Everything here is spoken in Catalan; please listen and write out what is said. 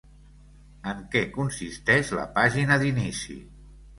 En què consisteix la pàgina d'inici?